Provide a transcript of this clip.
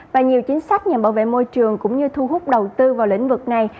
và nhiều chính sách nhằm bảo vệ môi trường cũng như thu hút đầu tư vào lĩnh vực này